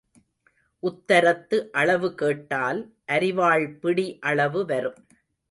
உத்தரத்து அளவு கேட்டால் அரிவாள் பிடி அளவு வரும்.